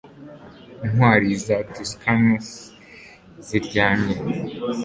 Intwari za Tuscans ziryamye